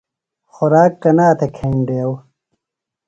خوۡراک کنا تھےۡ کھنیڈیو؟